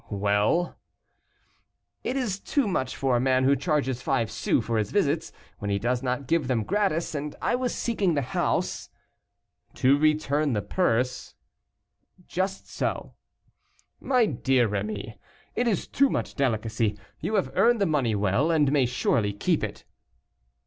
"Well?" "It is too much for a man who charges five sous for his visits, when he does not give them gratis, and I was seeking the house " "To return the purse?" "Just so." "My dear M. Rémy, it is too much delicacy; you have earned the money well, and may surely keep it."